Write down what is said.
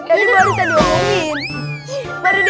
jadi baru saja diomongin